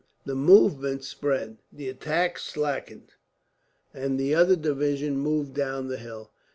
The movement spread, the attack slackened, and the other division moved down the hill.